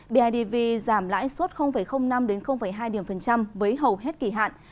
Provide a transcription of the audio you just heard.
bidv giảm lãi suất năm hai điểm phần trăm với hầu hết kỳ hạn